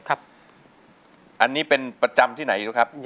อันนี้เป็นประจำที่ไหนรู้ครับ